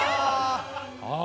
ああ！